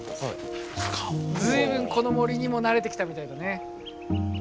随分この森にも慣れてきたみたいだね。